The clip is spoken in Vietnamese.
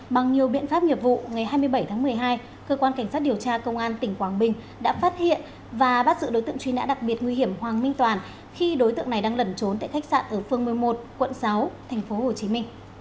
bằng nhiều biện pháp nghiệp vụ ngày hai mươi bảy tháng một mươi hai cơ quan cảnh sát điều tra công an tỉnh quảng bình đã phát hiện và bắt giữ đối tượng truy nã đặc biệt nguy hiểm hoàng minh toàn khi đối tượng này đang lẩn trốn tại khách sạn ở phương một mươi một quận sáu tp hcm